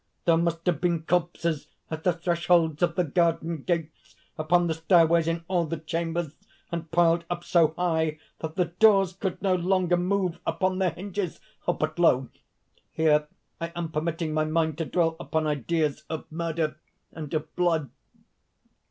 There must have been corpses at the thresholds of the garden gates, upon the stairways, in all the chambers, and piled up so high that the doors could no longer move upon their hinges!... But lo! here I am permitting my mind to dwell upon ideas of murder and of blood!..."